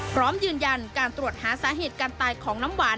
พร้อมยืนยันการตรวจหาสาเหตุการตายของน้ำหวาน